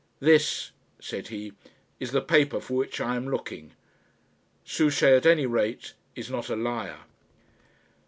"This," said he, "is the paper for which I am looking. Souchey, at any rate, is not a liar.